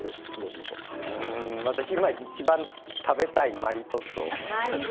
私、一番食べたいマリトッツォ。